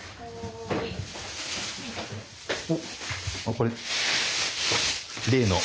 おこれ例の？